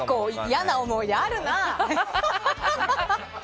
嫌な思い出あるな。